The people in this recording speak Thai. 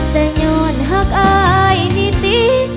แต่ย้อนหักอายนิติ